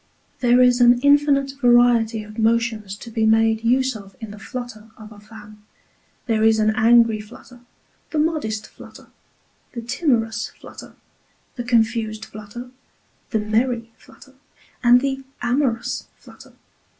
There is an infinite variety of Motions to be made use of in the Flutter of a Fan. There is an Angry Flutter, the modest Flutter, the timorous Flutter, the confused Flutter, the merry Flutter, and the amorous Flutter.